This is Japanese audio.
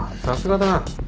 さすがだな。